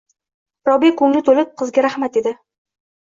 Robiya koʻngli toʻlib, qiziga rahmat dedi.